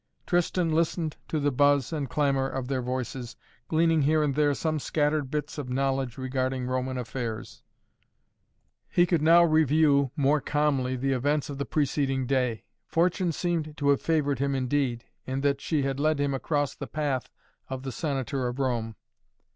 Tristan listened to the buzz and clamor of their voices, gleaning here and there some scattered bits of knowledge regarding Roman affairs. He could now review more calmly the events of the preceding day. Fortune seemed to have favored him indeed, in that she had led him across the path of the Senator of Rome.